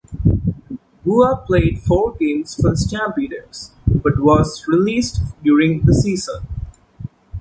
Bua played four games for the Stampeders, but was released during the season.